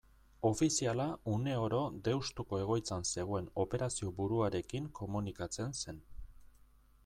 Ofiziala une oro Deustuko egoitzan zegoen operazioburuarekin komunikatzen zen.